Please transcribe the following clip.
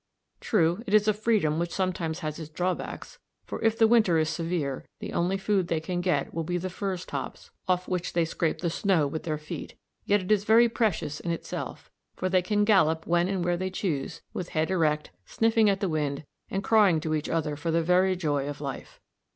True, it is a freedom which sometimes has its drawbacks, for if the winter is severe the only food they can get will be the furze tops, off which they scrape the snow with their feet; yet it is very precious in itself, for they can gallop when and where they choose, with head erect, sniffing at the wind and crying to each other for the very joy of life.